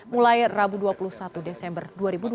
mulai rabu dua puluh satu desember dua ribu dua puluh